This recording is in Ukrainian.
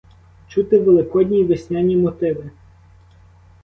Чути великодні й весняні мотиви.